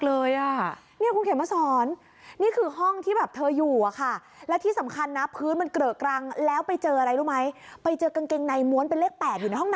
โอ้โหเออนี่คืนห้องเขาไม่เก็บอะไรให้หน่อยล่ะค่ะ